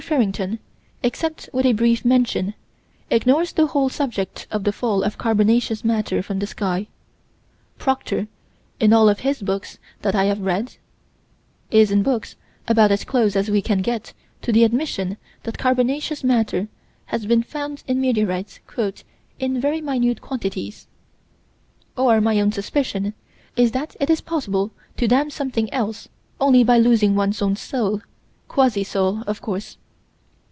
Farrington, except with a brief mention, ignores the whole subject of the fall of carbonaceous matter from the sky. Proctor, in all of his books that I have read is, in books, about as close as we can get to the admission that carbonaceous matter has been found in meteorites "in very minute quantities" or my own suspicion is that it is possible to damn something else only by losing one's own soul quasi soul, of course.